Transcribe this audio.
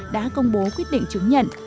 đã công bố quyết định chứng nhận